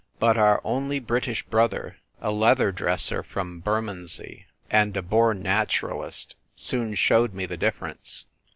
But our only British brother, a leather dresser from Bermondsey, and a born naturalist, soon showed me the difference.